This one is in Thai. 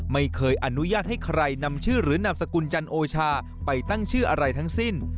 ไม่เคยอนุญาตให้ใครนำชื่อหรือนามสกุลจันโอชาไปตั้งชื่ออะไรทั้งสิ้น